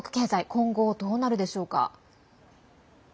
今後、どうなるでしょうか。